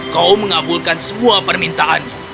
kau mengabulkan semua permintaanmu